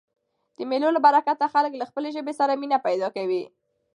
د مېلو له برکته خلک له خپلي ژبي سره مینه پیدا کوي.